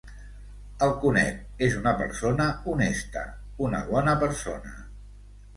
El conec, és una persona honesta, una bona persona.